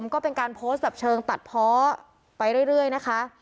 ก็เป็นการโพสต์แบบเชิงตัดเพาะไปเรื่อยนะคะ